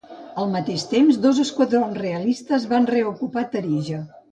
Al mateix temps dos esquadrons realistes van reocupar Tarija.